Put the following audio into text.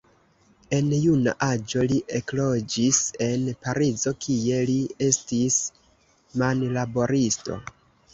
En juna aĝo li ekloĝis en Parizo, kie li estis manlaboristo.